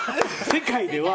世界では！